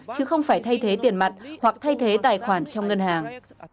chứ không phải thay thế tiền mặt hoặc thay thế tài khoản trong ngân hàng